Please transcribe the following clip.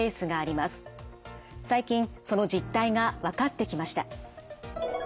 最近その実態が分かってきました。